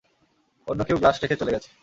অন্য কেউ গ্লাস রেখে চলে গেছে!